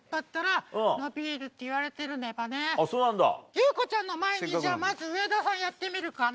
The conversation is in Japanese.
優子ちゃんの前にじゃあまず上田さんやってみるかな。